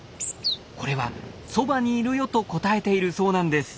これは「そばにいるよ」と答えているそうなんです。